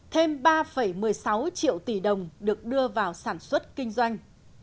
thêm ba một mươi sáu triệu tỷ đồng được đưa vào sản xuất kinh doanh